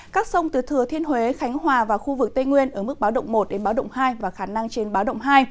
các sông từ thừa thiên huế khánh hòa và khu vực tây nguyên ở mức báo động một đến báo động hai và khả năng trên báo động hai